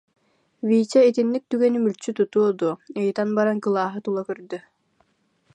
Витя итинник түгэни мүлчү тутуо дуо, ыйытан баран кылааһы тула көрдө